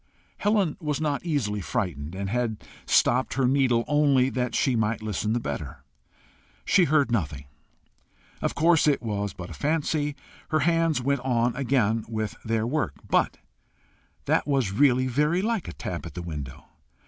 Helen was not easily frightened, and had stopped her needle only that she might listen the better. She heard nothing. Of course it was but a fancy! Her hands went on again with their work. But that was really very like a tap at the window!